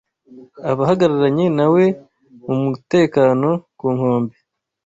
Abahagararanye na we mu mutekano ku nkombe